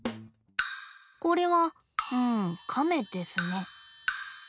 これはうんカメですね。